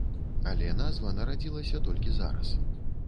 Але назва нарадзілася толькі зараз.